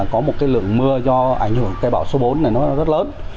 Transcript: có một lượng mưa do ảnh hưởng cây bão số bốn rất lớn